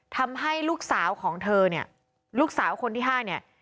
ทำให้ลูกสาวของเธอเนี่ยลูกสาวคนที่๕เนี่ย